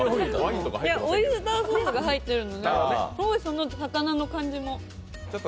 いや、オイスターソースが入ってるので、魚の感じも。